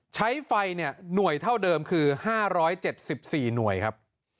ใช้ไฟหน่วยเท่าเดิมคือ๕๗๔หน่วยครับ